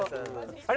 あれ？